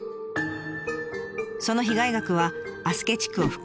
その被害額は足助地区を含む